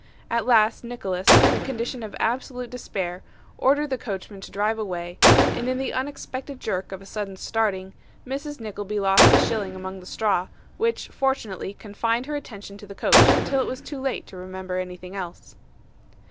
At last Nicholas, in a condition of absolute despair, ordered the coachman to drive away, and in the unexpected jerk of a sudden starting, Mrs. Nickleby lost a shilling among the straw, which fortunately confined her attention to the coach until it was too late to remember anything else.